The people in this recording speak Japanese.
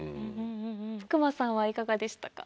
隈さんはいかがでしたか？